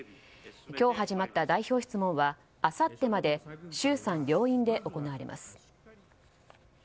今日始まった代表質問はあさってまで衆参両院で行われます。